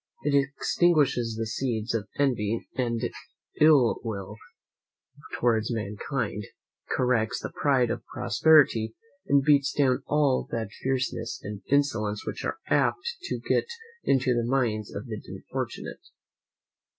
It extinguishes the seeds of envy and ill will towards mankind, corrects the pride of prosperity, and beats down all that fierceness and insolence which are apt to get into the minds of the daring and fortunate.